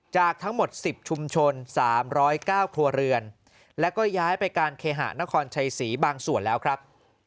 จากทั้งหมด๑๐ชุมชน๓๐๙ครัวเรือนแล้วก็ย้ายไปการเคหะนครชัยศรีบางส่วนแล้วครับ